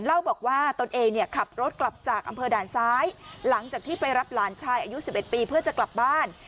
เล่าบอกว่าตนเองเนี่ยขับรถกลับจากอำเภอด่านซ้ายหลังจากที่ไปรับหลานชายอายุ๑๑ปีเพื่อจะกลับบ้าน